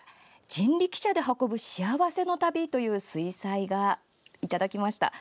「人力車で運ぶ幸せの旅」という水彩画をいただきました。